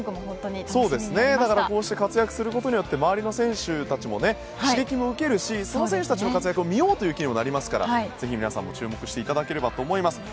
まだまだこうして活躍していくことによって周りの選手たちも刺激を受けるしその選手たちの活躍を見ようという気にもなりますからぜひ皆さんも注目していただければと思います。